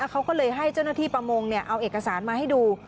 เขาก็เลยให้เจ้าหน้าที่ประมงเอาเอกสารมาให้ดู